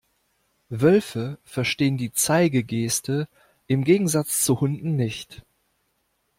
Wölfe verstehen die Zeigegeste im Gegensatz zu Hunden nicht.